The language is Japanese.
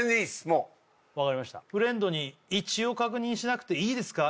もう分かりましたフレンドに一応確認しなくていいですか？